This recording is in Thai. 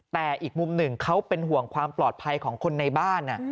แต่อีกมุมหนึ่งเขาเป็นห่วงความปลอดภัยของคนในบ้าน